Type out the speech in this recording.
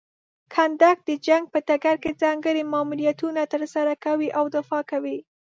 کنډک د جنګ په ډګر کې ځانګړي ماموریتونه ترسره کوي او دفاع کوي.